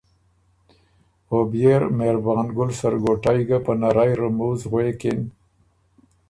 او بيې ر مهربان ګُل سرګوټئ ګه په نَرئ رموز غوېکِن